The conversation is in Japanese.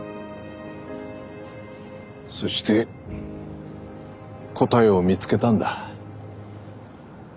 そして答えを見つけたんだ。